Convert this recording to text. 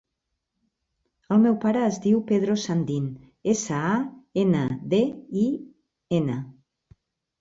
El meu pare es diu Pedro Sandin: essa, a, ena, de, i, ena.